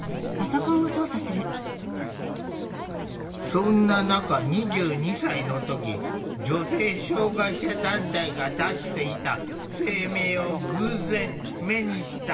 そんな中２２歳の時女性障害者団体が出していた声明を偶然目にした。